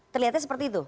terlihatnya seperti itu